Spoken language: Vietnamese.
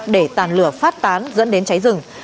để tàn lửa phát tán dẫn đến cháy rừng